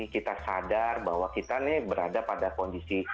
kita sadar bahwa kita ini berada pada kondisi